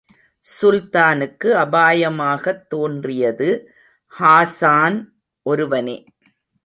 சுல்தானுக்கு அபாயமாகத் தோன்றியது ஹாஸான் ஒருவனே!